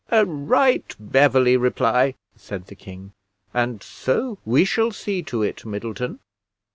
"A right Beverley reply," said the king; "and so we shall see to it, Middleton."